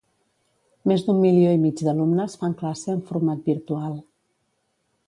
Més d'un milió i mig d'alumnes fan classe en format virtual.